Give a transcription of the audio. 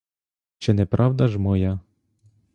Чи не правда ж моя?